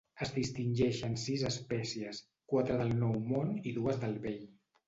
Es distingeixen sis espècies, quatre del Nou Món i dues del Vell.